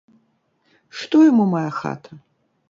Што яму мая хата?